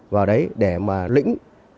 vào đấy để mà lĩnh